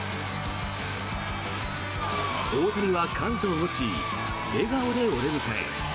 大谷は、かぶとを持ち笑顔でお出迎え。